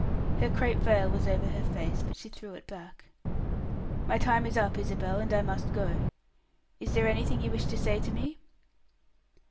Her crape veil was over her face, but she threw it back. "My time is up, Isabel, and I must go. Is there anything you wish to say to me?"